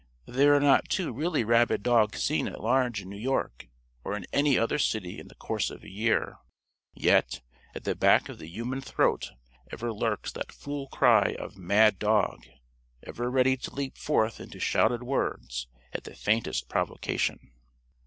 There are not two really rabid dogs seen at large in New York or in any other city in the course of a year. Yet, at the back of the human throat ever lurks that fool cry of "Mad dog!" ever ready to leap forth into shouted words at the faintest provocation.